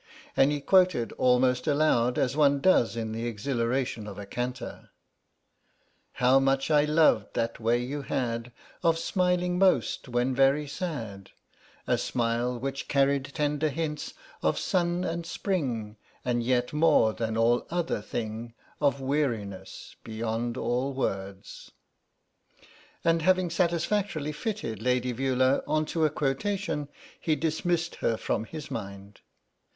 And he quoted almost aloud, as one does in the exhilaration of a canter: "How much I loved that way you had Of smiling most, when very sad, A smile which carried tender hints Of sun and spring, And yet, more than all other thing, Of weariness beyond all words." And having satisfactorily fitted Lady Veula on to a quotation he dismissed her from his mind.